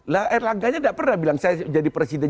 lah erlangganya tidak pernah bilang saya jadi presiden